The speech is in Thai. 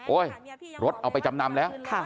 รถเอาไปจำนำแล้ว